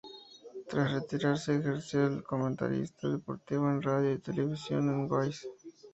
Tras retirarse, ejerció de comentarista deportivo en radio y televisión en Goiás.